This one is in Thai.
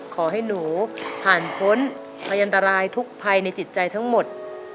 ขอให้หนูผ่านพ้นพยันตรายทุกภัยในจิตใจทั้งหมด